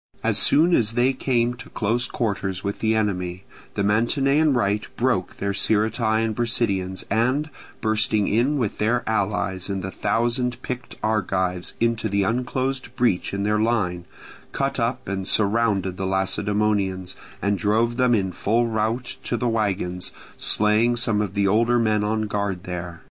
As soon as they came to close quarters with the enemy, the Mantinean right broke their Sciritae and Brasideans, and, bursting in with their allies and the thousand picked Argives into the unclosed breach in their line, cut up and surrounded the Lacedaemonians, and drove them in full rout to the wagons, slaying some of the older men on guard there.